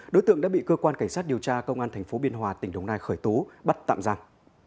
đối tượng đã bị cơ quan cảnh sát điều tra công an tp biên hòa tỉnh đồng nai khởi tố bắt tạm giam